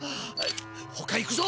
ほか行くぞ。